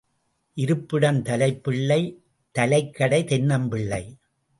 இருப்பிடம் தலைப்பிள்ளை தலைக்கடை தென்னம் பிள்ளை.